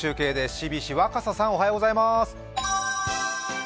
ＣＢＣ・若狭さん、おはようございます！